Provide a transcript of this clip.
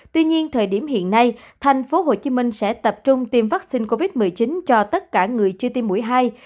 tuy nhiên thời điểm hiện nay thành phố hồ chí minh sẽ tập trung tiêm vaccine covid một mươi chín cho tất cả người chưa tiêm mũi hai